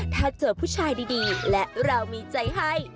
ถ้าเจอผู้ชายดีและเรามีใจให้